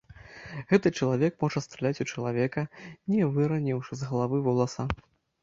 Гэты чалавек можа страляць у чалавека, не выраніўшы з галавы воласа.